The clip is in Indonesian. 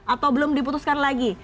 atau belum diputuskan lagi